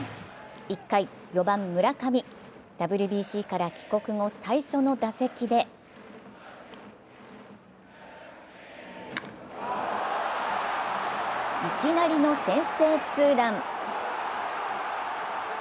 １回、４番・村上ＷＢＣから帰国後、最初の打席でいきなりの先制ツーラン。